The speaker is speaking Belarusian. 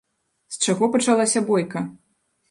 З чаго пачалася бойка?